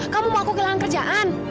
kamu mau aku kehilangan kerjaan